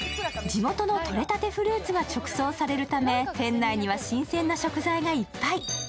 地元のとれたてフルーツが直送されるため店内には新鮮な食材がいっぱい。